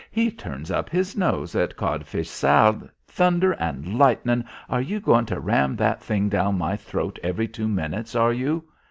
He turns up his nose at cod fish sal " "Thunder and lightnin', are you going to ram that thing down my throat every two minutes, are you?"